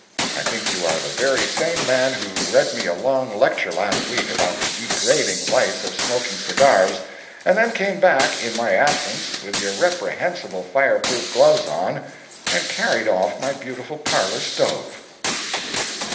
I think you are the very same man who read me a long lecture last week about the degrading vice of smoking cigars, and then came back, in my absence, with your reprehensible fireproof gloves on, and carried off my beautiful parlor stove.